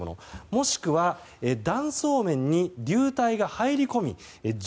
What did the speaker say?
もしくは断層面に流体が入り込み